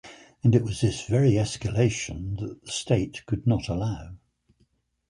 And it was this very escalation that the state could not allow.